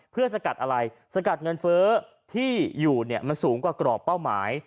เพื่อสกัดอะไรสกัดเงินเฟ้อที่อยู่เนี่ยมันสูงกว่ากรอบเป้าหมาย